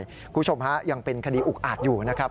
คุณผู้ชมฮะยังเป็นคดีอุกอาจอยู่นะครับ